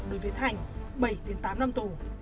đối với thanh bảy tám năm tù